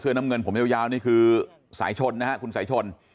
น้ำเงินผมยาวนี่คือสายชนนะฮะคุณสายชน